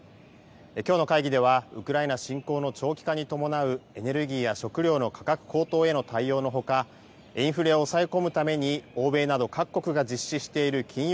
きょうの会議ではウクライナ侵攻の長期化に伴うエネルギーや食料の価格高騰への対応のほかインフレを抑え込むために欧米など各国が実施している金融